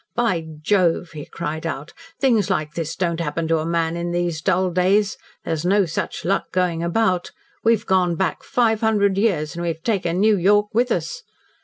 "By Jove!" he cried out. "Things like this don't happen to a man in these dull days! There's no such luck going about. We've gone back five hundred years, and we've taken New York with us."